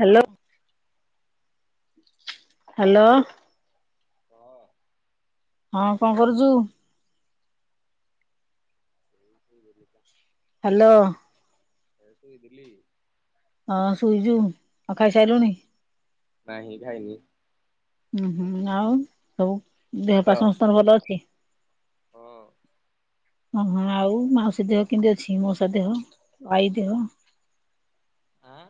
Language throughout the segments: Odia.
ହ୍ୟାଲୋ। ହ୍ୟାଲୋ। ହଁ। ହଁ, କଣ କରୁଚୁ? ଇ ବିବା ହ୍ୟାଲୋ। ଯାଇଥିଲି ଦିଲ୍ଲୀ। ହଁ, ଶଇଚୁ। ଆଉ ଖାଇସାଇଲୁଣି? ନାହିଁ ଖାଇନି। ଉଁ, ହୁଁ, ଆଉ ସବୁ ଦେହପା ହାଲୋ। ସମସ୍ତଙ୍କର ଭଲ ଅଛି। ହଁ। ହଁ, ହଁ ଆଉ ମାଉସୀ ଦେହ କିଁତି ଅଛି, ମଉସା ଦେହ, ଆଈ ଦେହ? ଆଁ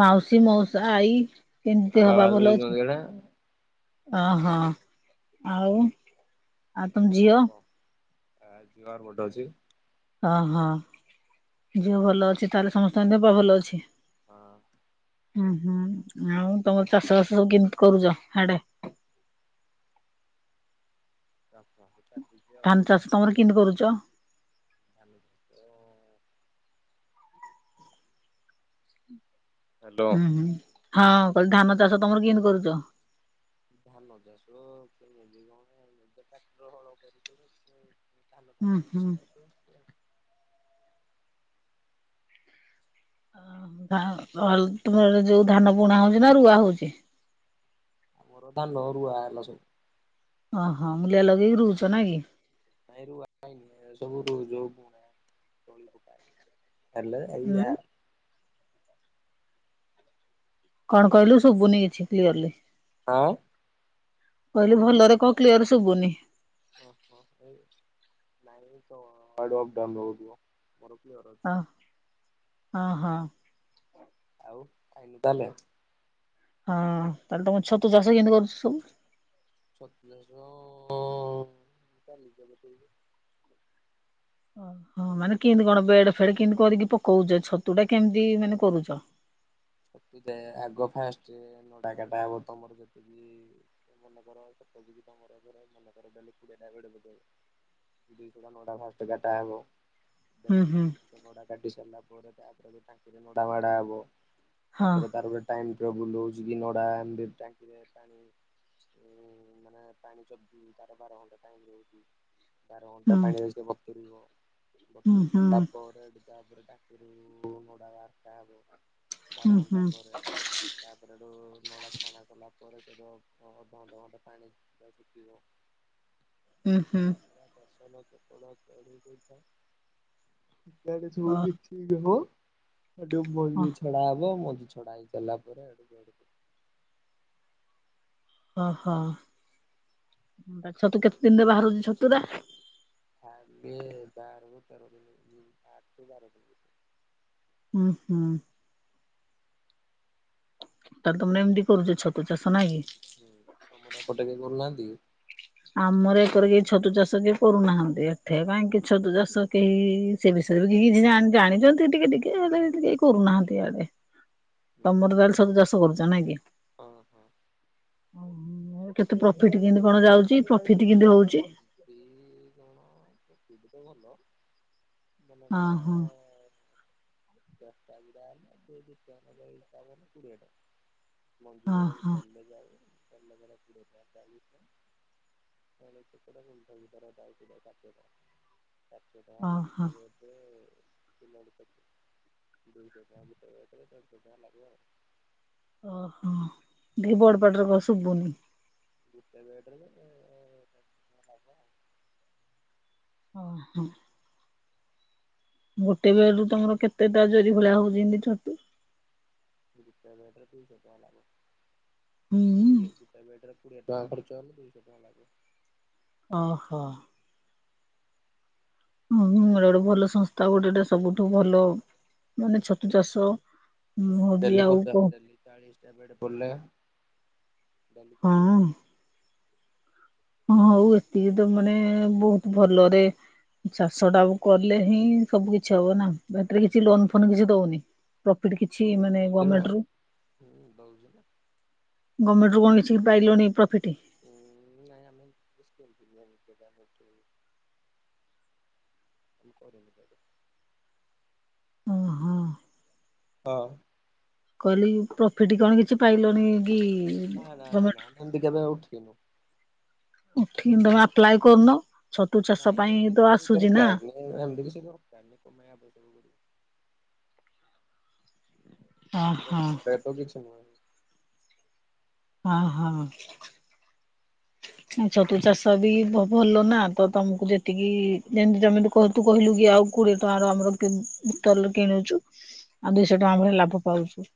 ମାଉସୀ, ମାଉସା, ଆଈ କେମିତି ହଁ ଦେହ ବାବା ପାହ ଭଲ ଶୋଇଛନ୍ତି ଅଛି? ଏଇନା। ଅ ହଁ, ଆଉ ତମ ଆଉ ଝିଅ କଣ କହ? ଆ ଜିଅ ଆର ପଟେ ଅଛି। ଓହୋ! ଝିଅ ଭଲ ଅଛି, ତାହେଲେ ସମସ୍ତଙ୍କ ଦେହ ପା ଭଲ ଅଛି। ହଁ। ଉଁ, ହୁଁ, ଆଉ ତମର ଚାଷ ବାସ ସବୁ କେମିତି କରୁଛ ହାଡେ? ଚାଷ ବାସ ଚାଲିଚି ଆଉ। ଧାନ ଚାଷ ତମର କିଁତି କରୁଛ? ଆନି। ଉଁ, ହୁଁ, ହଁ କହିଲି ଧାନ ଚାଷ ତମର କଁତି କରୁଛ? ଧାନ ଚାଷ କେମିତି [inaudible] ନିଜ ଟ୍ରାକ୍ଟର ହଳ କରିକି ଧାନ ହୁଁ ଫାନ ହୁଁ। ସବୁ ହୁଁ, ହୁଁ। ହାଁ ଅଲ୍ ତୁମର ଯୋଉ ଧାନ ବୁଣା ହଉଛି, ନା ରୁଆ ହଉଛି? ଧାନ ରୁଆ ହେଲା ସବୁ। ଓହୋ! ମୁୂଲିଆ ଲଗେଇକି ରୁଉଚ ନାଇଁ କି? ନାଇଁ ରୁଆ ହେଇନି। ହେରା ସବୁ ରୁ ଯଉ ବୁଣା ତଳି ପକା ହେଲେ ଏଇୟା ହୁଁ। କଣ କହିଲୁ ଶୁଭୁନି କିଛି କ୍ଲିୟରଲି? ହାଁ। କହିଲି ଭଲରେ କହ କ୍ଲିୟର ଶୁଭୁନି? ଅହ! ନାଇଁ ତଆଡୁ [inaudible] ଅପ୍ ଡାଉନ୍ ହଉଥିବ। ମୋର କ୍ଲିଅର୍ ଅ ଅଁ ଅହ। ଆଉ ଖାଇନୁ ତାହେଲେ? ହଁ, ତାହେଲେ ତମ ଛତୁ ଚାଷ କଁତି କରୁଛ ସବୁ? ଛତୁ ଚାଷ ଅଁ, ଚାଲିଚି ଏବେ ଠିକି। ଓହଁ ମାନେ କେମିତି କଣ ବେଡ ଫେଡ କେମତି କରିକି ପକଉଛ ଛତୁ ଟା କେମିତି ମାନେ କରୁଛ? ଆଗ ଫାଷ୍ଟ ନଡାକଟା ହବ ତମର ଯେତିକି ମନେକର [inaudible] ଧର [inaudible] ଦୁଇ କଟା ନଡା ଫାର୍ଷ୍ଟ କାଟା ହେବ। ହୁଁ ଦୁଇ ହୁଁ କଡ଼ା ନଡ଼ା କାଟି ସାରିଲା ପରେ ତାପରେ ବି ଟାଙ୍କିରେ ନଡା ବାଡ଼ା ହବ। ହଁ ତାପରେ ତାର ଗୋଟେ ଟାଇମ ଟେବୁଲ ରହୁଛି କି ନଡା ଟାଙ୍କିରେ ପାଣି ମାନେ ପାଣି ଚ ତାର ବାର ଘଣ୍ଟା ଟାଇମ ରହୁଛି। ବାର ଘଣ୍ଟା ହୁଁ ପାଣିରେ ସେ ବତୁରିବ ହୁଁ ବତୁରି ହୁଁ ସାରିଲା ପରେ ତାପରେ ଟାଙ୍କୀରୁ ନଡ଼ା ବାହାର ହବ ହୁଁ ବାରଘଣ୍ଟା ହୁଁ ପରେ ତାପରେ ସେଠୁ ନଡା ଛାଣା କଲା ପରେ ସେ ଅଧ ଘଣ୍ଟ ଘଣ୍ଟ ପାଣି ଶୁଖିବ। [unintelligible] ହୁଁ ହୁଁ। ଏମିତି ସବୁ ଓ ବିକ୍ରି ହେବ ମଞ୍ଜି ଛଡ଼ା ହବ। ହ ମଞ୍ଜି ଛଡା ହେଇସାରିଲା ପରେ ଆଡୁ ସା ଓହୋ ବା ଛତୁ କେତେ ଦିନରେ ବାହାରୁଚି ଛତୁରା? ଫାଷ୍ଟ ବାହାରିବ ତେର ଦିନ ତାପରେ ବାର ଦିନ। ଭିତରେ ହୁଁ ହୁଁ। ତାହାଲେ ତମେ ଏମିତି କରୁଛ ଛତୁ ଚାଷ ନାଇଁ? ହୁଁ ତମର ଏପଟେ କେହି କରୁନାହାନ୍ତି କି? ଆମର ଏକରେ କିଏ ଛତୁ ଚାଷ କରୁନାହାନ୍ତି ଏଠେ କାହିଁକି ଛତୁ ଚାଷ କେହି ସେ ବିଷୟରେ ବି କେହି ଜାଣିଛନ୍ତି ଟିକେ ଟିକେ ହେଲେ କେହି କରୁନାହାନ୍ତି ଇଆଡେ। କି? ତମର ତାହେଲେ ଛତୁ ଚାଷ କରୁଛ ନାଁ କି? ହଁ ହଁ। ଓ କେତେ ପ୍ରଫିଟ କେମତି କଣ ଯାଉଛି ପ୍ରଫିଟ କେମତି ହଉଛି? ଇଏ ତମର ପ୍ରଫିଟ ତ ଭଲ। ହଁ ମନେକର ହଁ ଦଶଟା ଭଟା ହେଲେ ଦୁଇ ଟଙ୍କା ହିସାବ ହେଲେ କୋଡିଏ ଟଙ୍କା। ହଁ ହଁ [inaudible] [inaudible] ଭ ଦୁଇଶଟା ଭିତରେ ଓହୋ [inaudible] ଟଙ୍କା ଲାଗିବ ଆଉ। ଓହୋ ଦେଇ ବଡପାଟିରେ କହ ଶୁଭୁନି? ଗୋଟେ ରେଟରେ ହେଲେ ଦବା ଆଉ ହଁ ହ। ଗୋଟେ ବେଡରୁ ତମର କେତେଟା ଜରି ଭଳିଆ ହଉଛିି ଏନ୍ତି ଛତୁ? ଗୋଟେ ବେଡେରେ ଦୁଇଶହ ଟଙ୍କା ଲେଖା। ହୁଁ। ଗୋଟିଏ ବେଡରେ କୁଡ଼ିଏ ଟଙ୍କା ଖର୍ଚ୍ଚ ହେଲେ ଦୁଇଶହ ଟଙ୍କା ପାଇବୁ। ଓହୋ। ହଁ ଏଇଟା ଗୋଟେ ଭଲ ସଂସ୍ଥା ଗୋଟେ ଏଇଟା ସବୁଠୁ ଭଲ ମାନେ ଛତୁ ଚାଷ ହୁଁ ହଉଜି ଡେଲି ଆଉ କହ ପଚାଶ ଡେଲି ଚାଳିଶଟା ବେଡ ପଡ଼ିଲେ କାଲି ଚାଳିଶଟା ହଁ ହଁ ହଉ ଏତିକି ତ ମାନେ ବହୁତ ଭଲରେ ଚାଷଟାକୁ କଲେ ହିଁ ସବୁ କିଛି ହବ ନା ଏଥିରେ କିଛି ଲୋନ ଫୋନ କିଛି ଦଉନି? ପ୍ରଫିଟ କିଛି ହୁଁ ମାନେ ଦଉଛି ନା ଗମେଣ୍ଟରୁ। ହୁଁ ଦଉଛି ନା ଗମେଣ୍ଟ ରୁ କଣ କିଛି ପାଇଲନି ପ୍ରଫିଟ୍। ହଁ ନାଇଁ ଆମେ [unintelligible] [inaudible] ଓ ହଁ। ହଁ। କହିଲି ପ୍ରଫିଟ କଣ କିଛି ପାଇଲଣି କି? ହ ନା ନା ଗଭର୍ଣ୍ଣମେଣ୍ଟ ନା ସେମତି କେବେ ଉଠିନୁ। ଉଠିନି ତମେ ଆପ୍ଲାଏ କରୁନ ଛତୁ ଚାଷ ନାଇଁ ପାଇଁ ଏମିତି ତ କିଛି ଆସୁଚି ନା। ଦରକାର ଏମିତି ବି ସେ [unintelligible] ଓହୋ ଦରକାର ତ କିଛି ନୁହେଁ। ହଁ ହଁ। ଛତୁ ଚାଷ ବି ଭ ଭଲ ନା ତ ତମକୁ ଯେତିକି ଯେମତି ତମେ ଏଠି କରୁ ତୁ କହିଲୁ କି ଆଉ କୋଡିଏ ଟଙ୍କାର ଆମର କିଣି ଦୋକାନରୁ କିଣୁଛୁ। ଆଉ ଦୁଇଶହ ଟଙ୍କା ଭଳି ଲାଭ ପାଉଛୁ।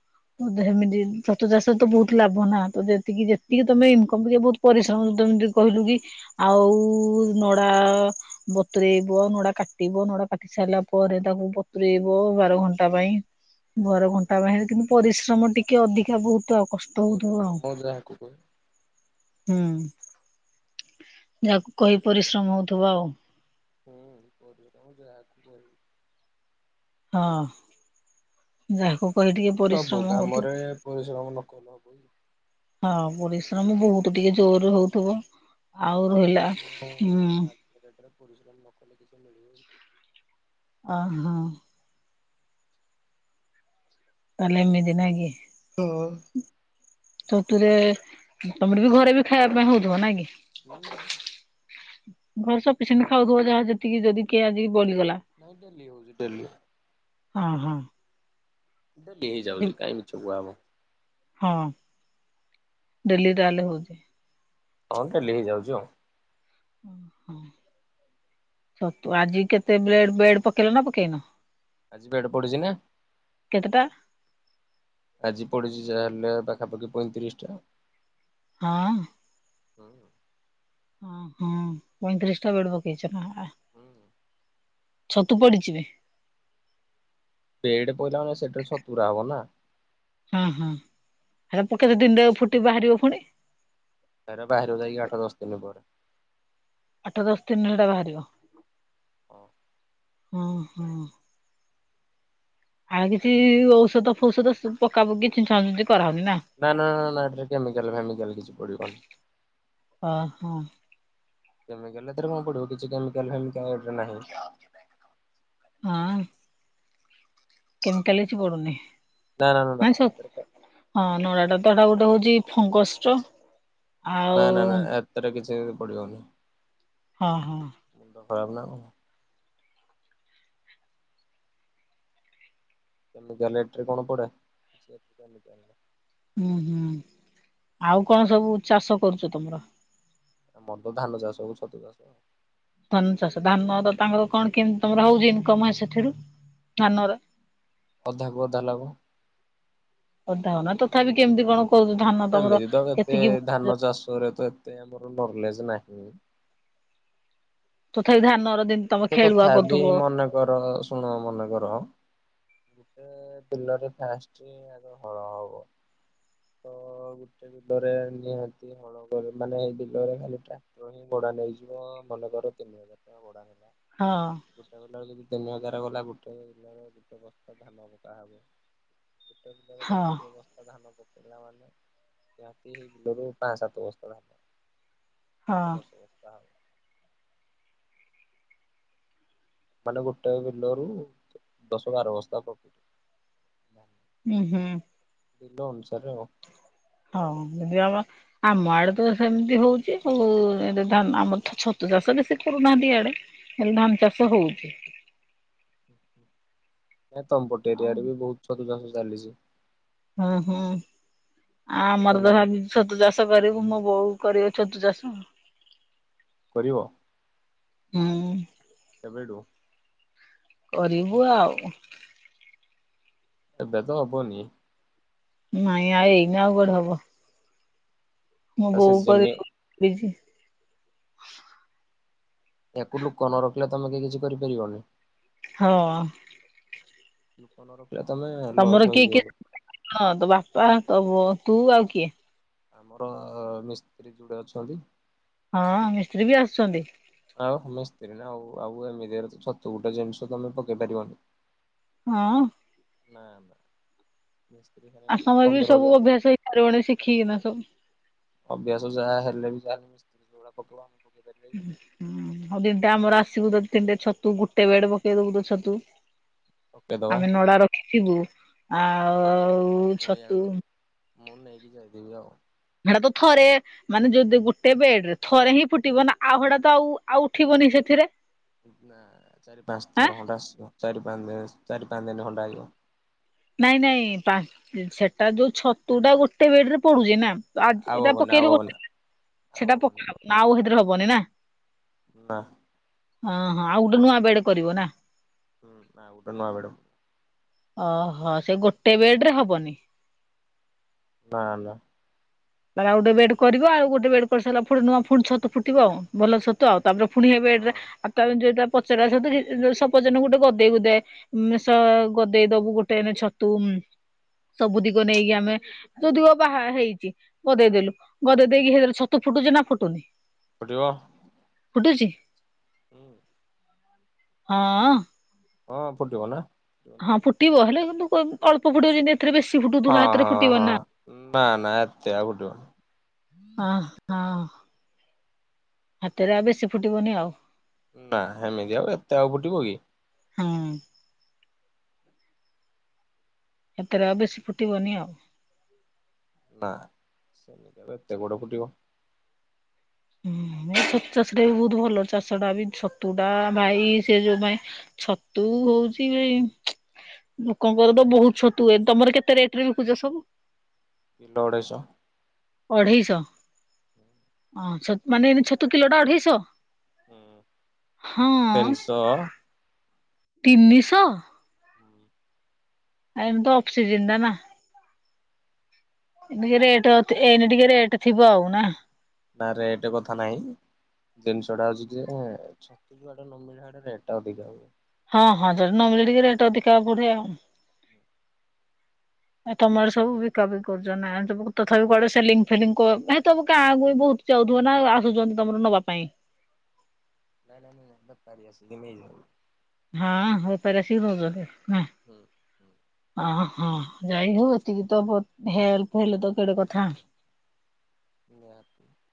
ସେମିତି ଛତୁ ଚାଷରେ ତ ବହୁତ ଲାଭ ନା ତ ଯେତିକି ଯେତିକି ତମେ ଇନକମ କରିବ ବହୁତ ପରିଶ୍ ତ ତମେ ଯେମିତି କହିଲୁ କି ଆଉ ନଡା ବତୁରେଇବ ନଡା କାଟିବ ନଡା କାଟି ସାରିଲା ପରେ ତାକୁ ବତୁରେଇବ ବାର ଘଣ୍ଟା ପାଇଁ। ହୁଁ ବାର ହୁଁ। ଘଣ୍ଟା ବାହରେ କିନ୍ତୁ ପରିଶ୍ରମ ଟିକେ ଅଧିକା ବହୁତ ଆଉ କଷ୍ଟ। ହଉଥିବ ଆଉ ପରିଶ୍ରମ ଅଲଗା କୁଦେ। ହୁଁ। ଯାହାକୁ କହି ପରିଶ୍ରମ ହଉଥିବ ଆଉ। ହୁଁ ପରିଶ୍ରମ ଯାହାକୁ କିହିବୁ। ହଁ, ଯାହାକୁ କହି ଟିକେ ସବୁ ପରିଶ୍ରମ କାମରେ ହଉଥିବ ପରିଶ୍ରମ ନ କଲେ ହବ କି। ହଁ ପରିଶ୍ରମ ବହୁତ ଟିକେ ଜୋର ହୋଉଥିବ, ଆଉ ରହିଲା ହୁଁ ସେଥିରେ ପରିଶଶ୍ରମ ନକଲେ କିଛି ମିଳିବନି। ଓ ହଁ ତାହାଲେ ଏମିତି ନା କି। ଓ। ଛତୁରେ ତମର ବି ଘରେ ବି ଖାଇବା ପାଇଁ ହଉଥିବ, ନା କି। ହୁଁ ହୁଁ। ଘରେ ସଫିସେଣ୍ଟ ଖାଉଥିବ, ଯାହା ଯେତିକି ଯଦି କିଏ ଆଜିିକି ବଳିଗଲା। ହଁ ଡେଲି ହଉଚି ଡେଲି। ଅ ହଁ। ଡେ ହେଇଯାଉଚି କାହିଁ ମିଛ କୁହା ହବ। ହଁ, ଡେଲୀ ତାହେଲେ ହଉଚି। ହଁ ଡେଲି ହେଇଯାଉଚି ଆଉ ଓ ହଁ ଛତୁ ଆଜି କେତେ ବେଲଡ ବେଡ ପକେଇଲ ନା ପକେଇନ। ଆଜି ବେଡ ପଡିଚି ନା? କେତେଟା ଆଜି ପଡିଛି ଯାହା ହେଲେ, ପାଖାପାଖି ପଇଁତିରିଶ ଟା। ହଁ। ହଁ। ହଁ ହଁ ପଇଁତିରିଶଟା ବେଡ୍ ପକେଇଛ ନା। ହୁଁ ହୁଁ। ଛତୁ ପଡିଚିବେ। ଵେଡ ପହିଲେ ମାନେ ସେଥିରେ ଛତୁରା ହବନା। ହଁ ହଁ ହେରା ପକେଇଲେ ସେଟା ଦିନେରେ ଫୁଟି ବାହାରିବ ପୁଣି? ହେରା ବାହାରିବ ଯାଇକି ଆଠ ଦଶ ଦିନି ପରେ। ଆଠ ଦଶ ଦତିରେ ହେଟା ବାହାରିବ? ହଁ। ହଁ ହଁ। ଆଉ କିଛି ଔଷଧ ଫୌଷଧ ପକା ପକି ଛିଞ୍ଚା ଛିିଞ୍ଚି କରାହଉନିନା? ନା ନା ନା ଏଥିରେ କେମିକାଲ ଫେମିକାଲ କିଛି ପଡ଼ିବନି। ଅଁହଁ। କେମିକାଲ ଏଥିରେ କଣ ପଡ଼ିବ, କିଛି କେମିକାଲ ହେମିକାଲ ଏଥିରେ ନାହିଁ। ହଁ। କେମିକାଲି କିଛି ପଡ଼ୁନି। ନା ନା ନା ହେଥିରେ ହଁ ନଡ଼ାଟାତ ଏଟା ଗୋଟେ ହଉଚି, ଫଙ୍ଗସର ନା ଆଉ ନା ନା ଏଥେରେ କିଛି ପଡ଼ିବନି। ହଁ ହଁ। ମୁଣ୍ଡ ଖରାପନା କଣ? କେମିକାଲ ଏଥେରେ କଣ ପଡ଼େ [unintelligible] ହୁଁ ହୁଁ, ଆଉ କଣ ସବୁ ଚାଷ କରୁଚ ତମର? ଆମରତ ଧାନ ଚାଷ ଆଉ ଛତୁ ଚାଷ। ଧାନ ଚାଷ, ଧାନର ତାଙ୍କର କଣ କେମତି ତମର ହଉଚି ଇନକମ୍ ସେଥିରୁ? ଧାନରେ। ଅଧାକୁୁ ଅଧା ଲାଭ। ଅଧା ହଉନା, ତଥାପି କେମିତି କଣ କରୁଛ ଧାନ ତମର ଏମିତିତ ଏତେ, କେତିକି ଧାନ ଚାଷରେତ ଏତେ ଆମର ନଲେଜ୍ ନାହିଁ। ତଥାପି ଧାନର ଦିନ୍ କିନ୍ତୁ ତଥାବି ମନେକର ଶୁଣ ମନେକର ଗୋଟେ ବିଲରେ ଫାଷ୍ଟ ଆଗେ ହଳ ହବ ତ ଗୁ ଗୁଟେ ବିଲରେ ନିହାତି ହଳ ଆପଣଙ୍କର ମାନେ ବିଲରେ ଖାଲି ଟ୍ରାକ୍ଟରହିଁ ଭଡ଼ା ନେଇଯିବ ମନେକର ତିନି ହଜାର ଟଙ୍କା ଭଡ଼ା ହଁ। ଗୋଟେ ବିଲରେ ଯଦି ତିନି ହଜାରେ ଗଲା ଗୋଟେ ବିଲାର ଗୋଟେ ବସ୍ତା ଧାନ ପକା ହବ। ଗୋଟେ ବିଲରେ ହଁ [unintelligible] ଧାନ ପକେଇଲା ମାନେ ନିହାତି ହେବିଲରୁ ପାଁ ସାତ ବସ୍ଥା ଧାନ। ହଁ ଆଠ ଦଶ ବସ୍ଥା ହବ। ମାନେ ଗୋଟେ ବିଲରୁ ଦଶ ବାର ବସ୍ତା ପକଟେ୍ ହବ। ଉଁ ହୁଁ। ବିଲ ଅନୁସାରେ ଆଉ। ହଁ, ଯଦି ହବ ଆମ ଆଡ଼େତ ସେମିତି ହଉଚି ହଉ ଏରେ ଧାନ ଆମରତ ଛତୁ ଚାଷ ବେଶୀ କରୁନାହାନ୍ତି ଇଆଡ଼େ। ଖାଲି ଧାନ ଚାଷ ହଉଚି। ନାଇଁ ତମପଟେ ହଁ ଏରିଆରେବି ବହୁତ୍ ଛତୁ ଚାଷ ଚାଲିଚି। ହୁଁ ହୁଁ କାମାକ୍ଷା ଆମରତ ଲାଇନ ଭାବି ଛତୁ ଚାଷ କରିବୁ ମୋ ବୋଉ କରିବ ଛତୁ ଚାଷ। କରିବ? ହୁଁ। କେବେଠୁ କରିବୁ ଆଉ ଏବେ ତ ହବନି। ନାଇଁ ଆଉ ଏଇନି ଆଉ କୁଆଡୁ ହବ। ମୁଁ ତା ବୋଉ କରି ସିଜିନି ଫ୍ରେଜ୍ ୟାକୁ ଲୋକ ନ ରଖିଲେ ତମେ କେହି କିଛି କରିପାରିବନି। ହଁ। ଲୁକ ନରକ [inaudible] ହେଲେ ତମେ ଲସ୍ ତମର କିଏ କିଏ ହେଇଯିବ। ହଁ ତୋ ବାପା ତୋ ତୁ ଆଉ କିଏ? ଆମର ମିସ୍ତ୍ରୀ ଯୁଡେ ଅଛନ୍ତି। ହଁ ମିସ୍ତ୍ରୀ ବି ଆସୁଛନ୍ତି? ଆଉ ମିସ୍ତ୍ରୀ ନା ଆଉ, ଆଉ ଏମିତିରେ ଛତୁ ଗୋଟେ ଜିନିଷ ତମେ ପକେଇ ପାରିବନି। ହଁ। ନା ନା। ମିସ୍ତ୍ରୀ କାଲି [inaudible] ଆ ସମୟ ବି ସବୁ ଅଭ୍ୟାସ ହେଇ ସାରିବଣି ଶିଖିକିନା ସବୁ। ଅଭ୍ୟାସ ଯାହା ହେଲେ ବି ଯାହାେଲେ ମିସ୍ତ୍ରୀ ଯଉଭଳିଆ [inaudible] ପକେଇବ ଆମେ ପକେଇ ପାରିବାନି। ହୁଁ ହଉ ଆଉ ଦିନଟେ ଆମର ଆସିବୁ ତ ତିନିଟେ ଛତୁ ଗୁଟେ ବେଡ ପକେଇ ଦବୁ ତ ଛତୁ। ପକେଇଦବା ଆମେ ନଡା ରଖିଥିବୁ ଆଉ ମୁଁ ଛତୁ ଇଆଡୁ ମୁଁ ନେଇକି ଯାଇଥିବି ଆଉ। ହେଟା ତ ଥରେ। ମାନେ ଯଦି ଗୋଟେ ବେଡ ରେ ଥରେ ହିଁ ଫୁଟିବ ନା ଆଉ ହେଇଡା ତ ଆଉ ଆଉ ଉଠିବନି ସେଥିରେ। ନା ଚାରି ପାଞ୍ଚ ଆଁ ଥର ଖଣ୍ଡେ ଆସିବ ଚାରି ପାଞ୍ଚ ଦିନ ଚାରି ପାଞ୍ଚ ଦିନ ଖଣ୍ଡେ ଆଇିବ। ନାଇଁ ନାଇଁ ପା ସେଟା ଯୋଉ ଛତୁ ଟା ଗୋଟେ ବେଡ ରେ ପଡୁଛି ନା? ତ ଆଜି ଆଉ ଏଇଟା ହବନି ଆଉ ପକେଇଲୁ ହବନି ଗୋଟେ ସେଟା ପକା ହବନି ନା ଆଉ ହେଥିରେ ହବନି ନା? ନା। ହଁ ହଁ ଆଉ ଗୋଟେ ନୂଆ ବେଡ କରିବ ନା? ହୁଁ ଆଉ ଗୋଟେ ନୂଆ ବେଡେ ଓହୋ ସେ ଗୋଟେ ବେଡ ରେ ହବନି? ନା ନା। ତା ପରେ ଆଉ ଗୋଟେ ବେଡ୍ କରିବ, ଆଉ ଗୋଟେ ବେଡ୍ କରିସାରିଲା ପରେ ଫୁଣି ନୂଆ ଫୁଣି ଛତୁ ଫୁଟିବ ଆଉ। ଭଲ ଛତୁ ଆଉ ତାପରେ ଫୁଣି ହେଇ ହଁ ବେଡରେ ତା ପରେ ଯୋଉଟା ପଚରା ଛତୁ ଯେ ସପୋଜ ନ ଯେ ଗୋଟେ ଗଦେଇ ଗୁଦାଏ ମୁଁ ଷ ଗଦେଇ ଦବୁ ଗୋଟେ ଏଇନେ ଛତୁ ଉଁ ସବୁ ଦିଗ ନେଇକି ଆମେ ଯୋଉଦିଗ ବାହା ହେଇଚି ଗଦେଇ ଦେଲୁ ଗଦେଇ ଦେଇକି ହେଲେ ହେଥୀରେ ଛତୁ ଫୁଟୁଚି ନା ଫୁଟୁନି? ଫୁଟିବ। ଫୁଟୁଚି? ହୁଁ। ହଁ ଅଁ। ହଁ, ଫୁଟିବ ନା। ହଁ, ଫୁଟିବ ହେଲେ କିନ୍ତୁ କୋଇ ଅଳ୍ପ ଫୁଟିବ ଯେମିତି ଏଥିରେ ବେଶୀ ଫୁଟୁ ହଁ ହଁ ହଁ ନା ନା ଏତେ ଆଉ ଫୁଟିବ ଅଁ ହଁ ହାତରେ ଆଉ ବେଶୀ ଫୁଟିବନି ଆଉ। ନା ହେମିତି ଆଉ ଏତେ ଆଉ ଫୁଟିବ କି? ହୁଁ। ଏତିରେ ଆଉ ବେଶୀ ଫୁଟିବନି ଆଉ। ନା, ସେମିତି ଆଉ ଏତେ କୁଆଡ଼େ ଫୁଟିବ। ହୁଁ ଏ ଛତୁ ଚାଷଟା ବି ବହୁତ ଭଲ ଚାଷ ଟା ବି ଛତୁ ଟା ଭାଇ ସେ ଯୋଉ ଭାଇ ଛତୁ ହୋଉଚି ଏଇ ଲୋକଙ୍କର ତ ବହୁତ୍ ଛତୁ ହୁଏ, ତମର କେତେ ରେଟ୍ ରେ ବିକୁଚ ସବୁ? କିଲ ଅଢ଼େଇ ଶହ। ଅଢ଼େଇଶହ? ହଁ ଛ ମାନେ ଏଇନା ଛତୁ କିଲଟା ଅଢେଇଶହ? ହୁଁ, ତିନଶଅ। ତିନିଶଅ? ଏମ୍ ତ ଅଫ୍ ସିଜିନ୍ ଟା ନା। ଧିରେ ଏଇଟି ଅତି ଏଇନେ ଟିକେ ରେଟ୍ ଥିବ ଆଉ ନା? ନା, ରେଟ୍ କଥା ନାଇଁ। ଜିନିଷ ଟା ହଉଛି ଯେ ଛତୁ ଯୁଆଡ଼େ ନ ମିଳେ ହାଡ଼େ ରେଟ୍ ଟା ଅଧିକା ହୁଏ। ହଁ ହଁ ଯଦି ନମିଳିଲେ ଟିକେ ରେଟ୍ ଅଧିଖା ବଢ଼େ ଆଉ। ଆ ତମର ସବୁ ବିକାବିକି କରୁଛ ନା ତମକୁ ତଥାପି କୁଆଡେ ସେଲିଂ ଫେଲିଂ କ ନାଇଁ ତ କା ଆଗୁ ବହୁତ୍ ଯଉଥିବ ନା ଆଉ ଆସୁଛନ୍ତି ତମର ନବା ପାଇଁ? ନାଇଁ ନାଇଁ ନାଇଁ ସେଇଟା ପାରି ଆସିଲେ ନେଇଯାଏ। ହଁ ଉପରେ ଆସି ହୋଉ ବୋଧେ। ହୁଁ। ଅଁ ହଁ ଯାଇ ହଉ ଏତିକି ତ ବହୁତ୍ ହେଲ୍ପ ହେଲେ ତ କେଡ଼େ କଥା। ନିହାତି।